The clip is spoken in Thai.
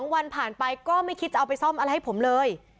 ๒วันผ่านไปก็ไม่คิดจะเอาไปซ่อมอะไรให้ผมเลย